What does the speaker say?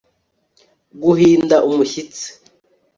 guhinda umushyitsi